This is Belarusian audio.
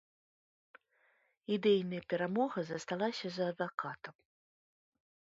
Ідэйная перамога засталася за адвакатам.